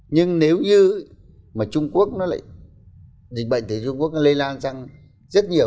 nhưng nếu như dịch bệnh từ trung quốc lây lan sang việt nam